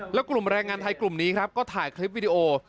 แล้วกลุ่มแรงงานไทยกลุ่มนี้ครับก็ถ่ายคลิปวิดีโอ